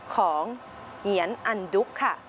ของเหนียนอันดุ๊ก้์